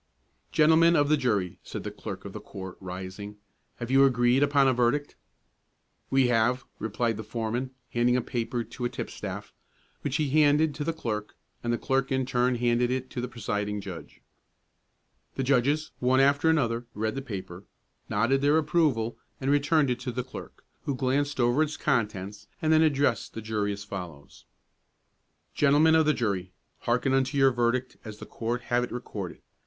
"Gentlemen of the jury," said the clerk of the court, rising, "have you agreed upon a verdict?" "We have," replied the foreman, handing a paper to a tipstaff, which he handed to the clerk; and the clerk in turn handed it to the presiding judge. The judges, one after another, read the paper, nodded their approval, and returned it to the clerk, who glanced over its contents, and then addressed the jury as follows: "Gentlemen of the jury, hearken unto your verdict as the court have it recorded.